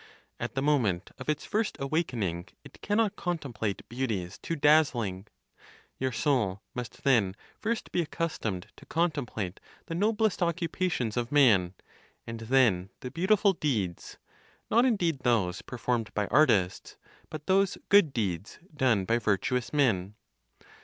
At the moment of its (first) awakening, it cannot contemplate beauties too dazzling. Your soul must then first be accustomed to contemplate the noblest occupations of man, and then the beautiful deeds, not indeed those performed by artists, but those (good deeds) done by virtuous men.